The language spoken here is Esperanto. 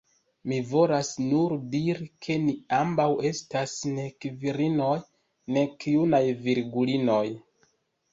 Mi volas nur diri, ke ni ambaŭ estas nek virinoj, nek junaj virgulinoj.